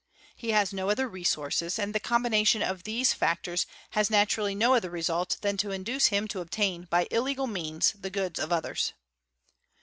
He has no other resources and the combination of these factors has naturally no other result than to induce him to obtain by illegal means the goods of others.